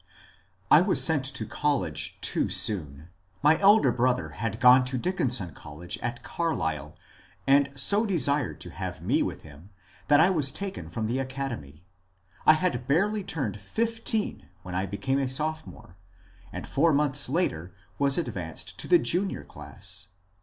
* I WAS sent to college too soon. My elder brother bad gone to Dickinson College at Carlisle, and so desired to bave me witb bim tbat I was taken from tbe academy. I bad barely turned fifteen wben I became a Sopbomore, and four montbs later was advanced to tbe Junior class.